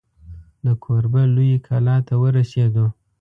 د کوربه لویې کلا ته ورسېدو.